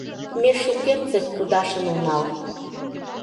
Ме шукертсек кудашын онал.